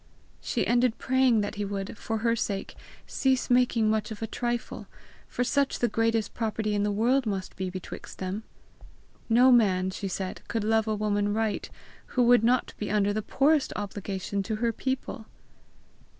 She ended praying that he would, for her sake, cease making much of a trifle, for such the greatest property in the world must be betwixt them. No man, she said, could love a woman right, who would not be under the poorest obligation to her people!